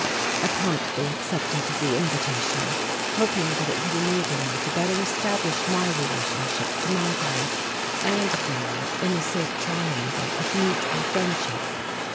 I promptly accepted the invitation, hoping that it would enable me better to establish my relation to Marguerite and Zimmern in a safe triangle of mutual friendship.